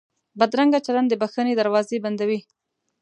بدرنګه چلند د بښنې دروازې بندوي